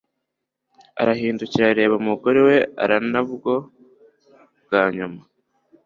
arahindukira areba umugore we arinabwo bwanyuma